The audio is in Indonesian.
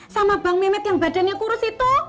sama bang memit yang badannya kurus itu